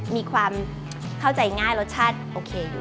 มีความเข้าใจง่ายรสชาติโอเคอยู่